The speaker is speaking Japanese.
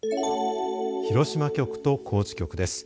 広島局と高知局です。